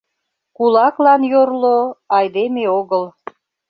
Кулаклан йорло — айдеме огыл.